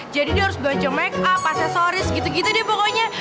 jadi dia harus baca make up aksesoris gitu gitu deh pokoknya